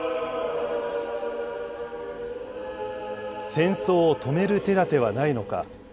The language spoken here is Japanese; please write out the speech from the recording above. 戦争を止める手だてはないのか。